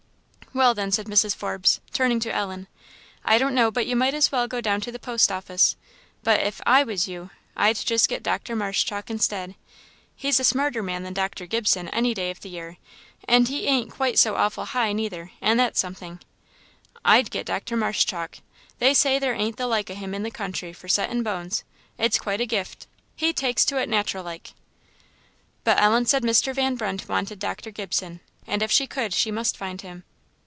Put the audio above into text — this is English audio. "Well, then," said Mrs. Forbes, turning to Ellen, "I don' know but you might about as well go down to the post office; but, if I was you, I'd just get Dr. Marshchalk instead. He's a smarter man than Dr. Gibson any day in the year; and he ain't quite so awful high neither, and that's something. I'd get Dr. Marshchalk; they say there ain't the like o' him in the country for settin' bones; it's quite a gift; he takes to it natural like." But Ellen said Mr. Van Brunt wanted Dr. Gibson, and if she could she must find him.